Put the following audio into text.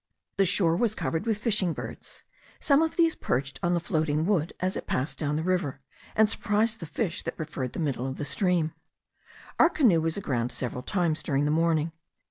The shore was covered with fishing birds. Some of these perched on the floating wood as it passed down the river, and surprised the fish that preferred the middle of the stream. Our canoe was aground several times during the morning.